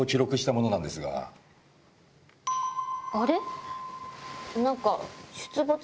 あれ？